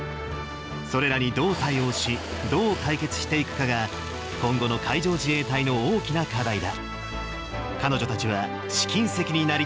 それらにどう対応し、どう解決していくかが、今後の海上自衛隊の大きな課題だ。